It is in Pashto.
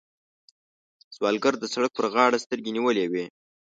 سوالګر د سړک پر غاړه سترګې نیولې وي